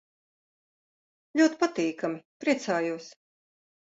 Ļoti patīkami. Priecājos.